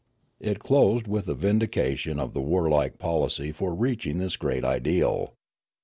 It closed with a vindication of the warlike policy for reaching this great ideal.